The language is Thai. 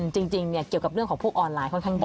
จริงเกี่ยวกับเรื่องของพวกออนไลน์ค่อนข้างเยอะ